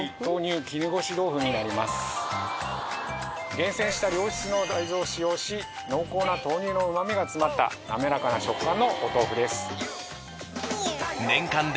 厳選した良質の大豆を使用し濃厚な豆乳の旨みが詰まったなめらかな食感のおとうふです。